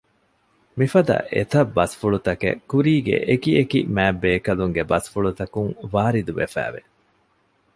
މިފަދަ އެތައް ބަސްފުޅުތަކެއް ކުރީގެ އެކިއެކި މާތްްބޭކަލުންގެ ބަސްފުޅުތަކުން ވާރިދުވެފައިވެ